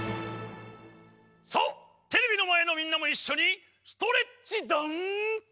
さあテレビの前のみんなもいっしょにストレッチだん！